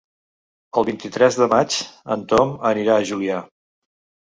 El vint-i-tres de maig en Tom anirà a Juià.